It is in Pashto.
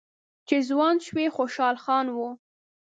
چې ځوان شوی خوشحال خان و